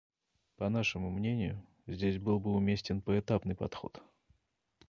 По нашему мнению, здесь был бы уместен поэтапный подход.